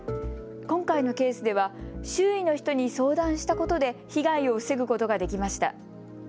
今回のケースでは周囲の人に相談したことで被害を防ぐことができました。